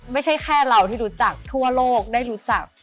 ไม่ใช่แค่เราที่รู้จักทั่วโลกได้รู้จัก